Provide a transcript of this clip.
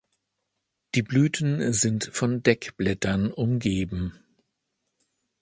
Die Blüten sind von Deckblättern umgeben.